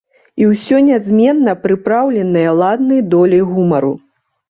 І ўсё нязменна прыпраўленае ладнай доляй гумару.